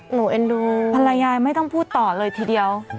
เอ็นดูภรรยาไม่ต้องพูดต่อเลยทีเดียว